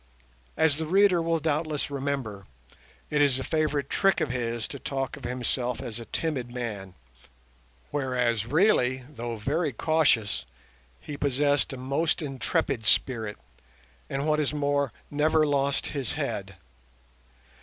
As the reader will doubtless remember, it is a favourite trick of his to talk of himself as a timid man, whereas really, though very cautious, he possessed a most intrepid spirit, and, what is more, never lost his head.